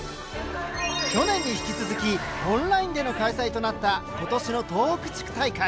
去年に引き続きオンラインでの開催となった今年の東北地区大会。